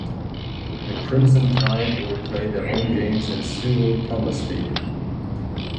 The Crimson Tide will play their home games at Sewell–Thomas Stadium.